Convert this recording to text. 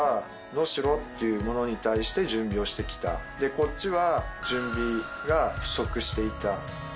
こっちは。